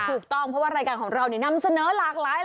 ถูกต้องเพราะว่ารายการของเรานำเสนอหลากหลาย